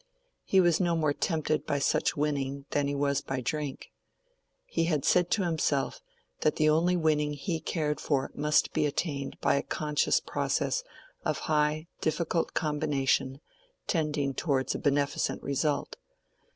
He was no more tempted by such winning than he was by drink. He had said to himself that the only winning he cared for must be attained by a conscious process of high, difficult combination tending towards a beneficent result.